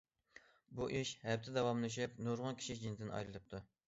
بۇ ئىش ھەپتە داۋاملىشىپ نۇرغۇن كىشى جېنىدىن ئايرىلىپتۇ.